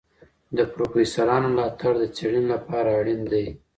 د پروفیسرانو ملاتړ د څېړنې لپاره اړین دی.